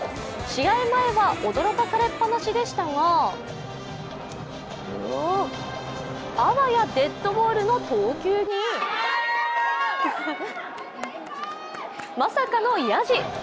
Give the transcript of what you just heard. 試合前は驚かされっぱなしでしたがあわやデッドボールの投球にまさかのヤジ！